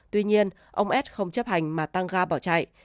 tuy nhiên ông s không chấp hành mà tăng ga bỏ chạy